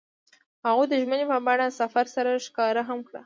هغوی د ژمنې په بڼه سفر سره ښکاره هم کړه.